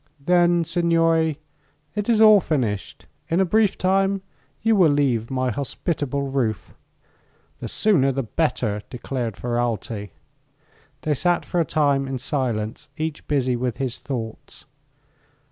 "Then, signori, it is all finished. In a brief time you will leave my hospitable roof." "The sooner the better," declared Ferralti. They sat for a time in silence, each busy with his thoughts.